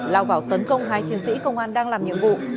lao vào tấn công hai chiến sĩ công an đang làm nhiệm vụ